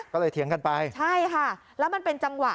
ก็เลยเถียงกันไปใช่ค่ะแล้วมันเป็นจังหวะ